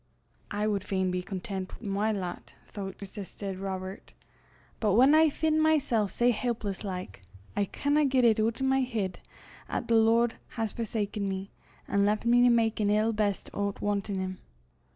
"I wad fain be contentit wi' my lot, thouch," persisted Robert; "but whan I fin' mysel' sae helpless like, I canna get it oot o' my heid 'at the Lord has forsaken me, an' left me to mak an ill best o' 't wantin' him."